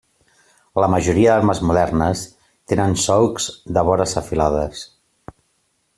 La majoria d'armes modernes tenen solcs de vores afilades.